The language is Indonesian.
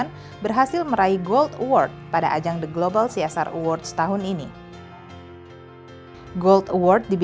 bi berharap melalui psbi masyarakat indonesia akan terdorong untuk lebih produktif